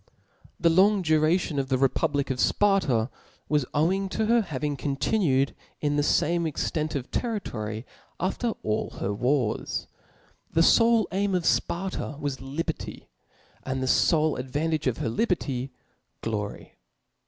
The long duration of the republic of Sparta was owing to her having continued in the fame extent of territory after all her wars. The fole aim of Sparta was liberty ; and the fole advantage of her liberty, glory.